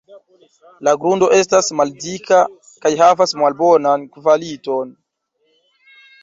La grundo estas maldika kaj havas malbonan kvaliton.